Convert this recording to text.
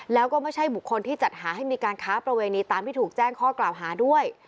แล้วก็ไม่ใช่บุคคลที่จัดหาให้มีการค้าประเวณีตามที่ถูกแจ้งข้อกล่าวหาด้วย